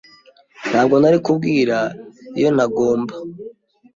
Ntabwo nari kubwira iyo ntagomba.